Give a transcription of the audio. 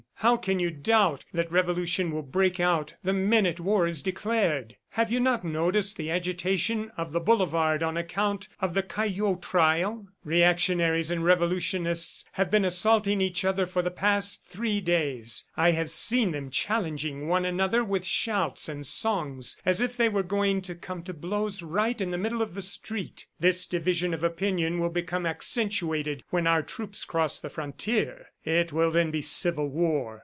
How can you doubt that revolution will break out the minute war is declared? ... Have you not noticed the agitation of the boulevard on account of the Caillaux trial? Reactionaries and revolutionists have been assaulting each other for the past three days. I have seen them challenging one another with shouts and songs as if they were going to come to blows right in the middle of the street. This division of opinion will become accentuated when our troops cross the frontier. It will then be civil war.